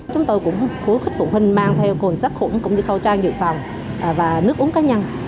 chúng tôi cũng khuất phụ huynh mang theo khuẩn sát khuẩn cũng như khẩu trang dự phòng và nước uống cá nhân